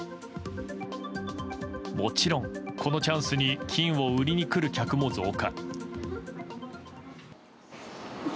もちろん、このチャンスに金を売りに来る客も増加。